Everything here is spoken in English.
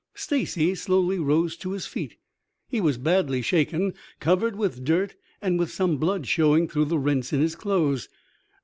Stacy slowly rose to his feet. He was badly shaken, covered with dirt and with some blood showing through the rents in his clothes.